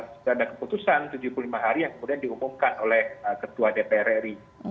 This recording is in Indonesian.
sudah ada keputusan tujuh puluh lima hari yang kemudian diumumkan oleh ketua dpr ri